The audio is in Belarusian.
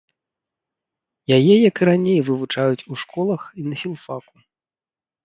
Яе, як і раней, вывучаюць у школах і на філфаку.